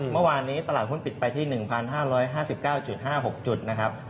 เมื่อวานนี้ตลาดหุ้นปิดไปที่๑๕๕๙๕๖จุดนะครับ